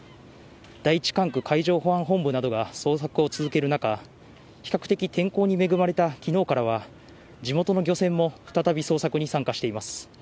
第１管区海上保安本部などが捜索を続ける中、比較的天候に恵まれたきのうからは地元の漁船も再び捜索に参加しています。